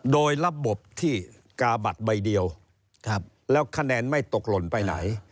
โดยระบบที่กาบัตรใบเดียวแล้วคะแนนไม่ตกหล่นไปไหน